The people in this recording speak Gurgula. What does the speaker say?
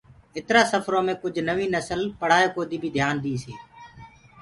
اِترا سڦرو مي ڪُج نوينٚ نسل پڙهآيو ڪودي بي ڌِيآن ديٚس هي۔